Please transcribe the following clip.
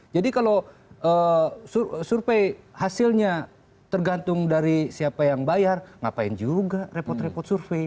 jadi kalau survei hasilnya tergantung dari siapa yang bayar ngapain juga repot repot survei